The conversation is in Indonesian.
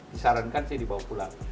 disarankan sih dibawa pulang